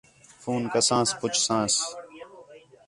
فون کسانس، پُچھسانس